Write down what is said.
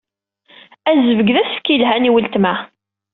Azebg d asefk yelhan i weltma.